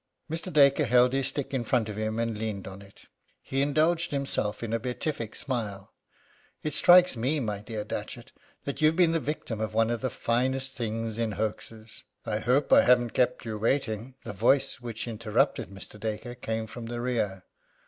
Mr. Dacre held his stick in front of him and leaned on it. He indulged himself with a beatific smile: "It strikes me, my dear Datchet, that you've been the victim of one of the finest things in hoaxes " "I hope I haven't kept you waiting." The voice which interrupted Mr. Dacre came from the rear.